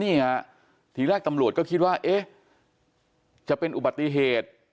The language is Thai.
นี่ฮะทีแรกตำรวจก็คิดว่าเอ๊ะจะเป็นอุบัติเหตุ